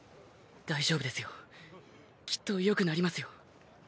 大丈夫ですよ。きっと良くなりますよ。